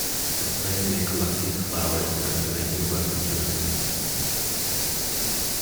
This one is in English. The player may collect these flowers and activate new weapons and enhancements.